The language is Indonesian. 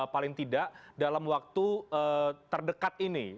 paling tidak dalam waktu terdekat ini